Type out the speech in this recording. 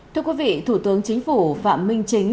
thưa quý vị thủ tướng chính phủ phạm minh chính